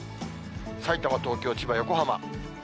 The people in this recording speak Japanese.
さいたま、東京、千葉、横浜。